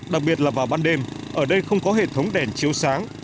đặc biệt là vào ban đêm ở đây không có hệ thống đèn chiếu sáng